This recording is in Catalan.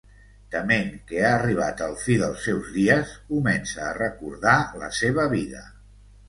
Tement que ha arribat el fi dels seus dies comença a recordar la seva vida.